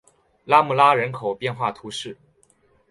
拉穆拉人口变化图示